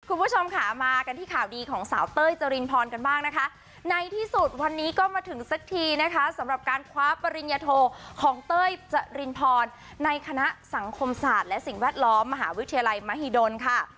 คุณผู้ชมค่ะมากันที่ข่าวดีของสาวเต้ยจรินพรกันบ้างนะคะในที่สุดวันนี้ก็มาถึงสักทีนะคะสำหรับการคว้าปริญญโทของเต้ยจรินพรในคณะสังคมศาสตร์และสิ่งแวดล้อมมหาวิทยาลัยมหิดลค่ะ